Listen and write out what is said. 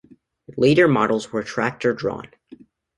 Later models were tractor-drawn.